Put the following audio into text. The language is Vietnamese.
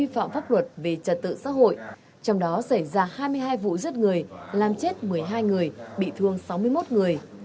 phạm pháp luật về trật tự xã hội trong đó xảy ra hai mươi hai vụ giết người làm chết một mươi hai người bị thương sáu mươi một người